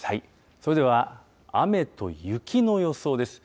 それでは、雨と雪の予想です。